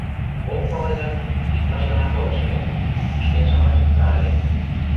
Ок пале гын, иктаж гана толеш ыле, шкенжым ончыкта ыле...